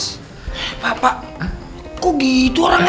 eh papa kok gitu orangnya